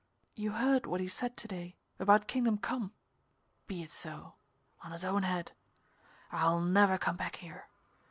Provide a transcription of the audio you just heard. "You heard what he said to day about Kingdom Come? Be it so on his own head. I'll never come back here.